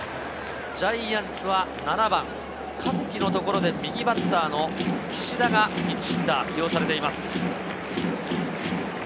ジャイアンツは７番・香月のところで右バッターの岸田がピンチヒッターに起用されています。